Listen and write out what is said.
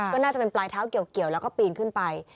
ก็น่าจะเป็นปลายเท้าเกี่ยวแล้วก็ปีนขึ้นไป